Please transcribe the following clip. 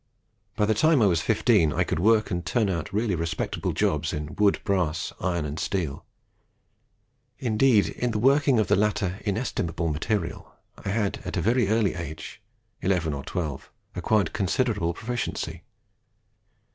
By the time I was fifteen, I could work and turn out really respectable jobs in wood, brass, iron, and steel: indeed, in the working of the latter inestimable material, I had at a very early age (eleven or twelve) acquired considerable proficiency.